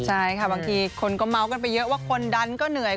ใช่ค่ะบางทีคนก็เมาส์กันไปเยอะว่าคนดันก็เหนื่อย